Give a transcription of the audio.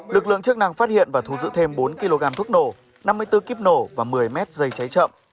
lực lượng chức năng phát hiện và thu giữ thêm bốn kg thuốc nổ năm mươi bốn kiếp nổ và một mươi mét dây cháy chậm